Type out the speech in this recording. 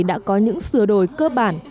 đã có những sửa đổi cơ bản